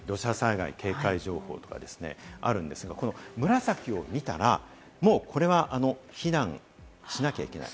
土砂災害警戒情報とかあるんですけれど、紫を見たら、もうこれは避難しなきゃいけない。